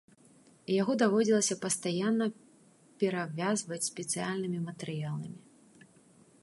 І яго даводзілася пастаянна перавязваць спецыяльным матэрыяламі.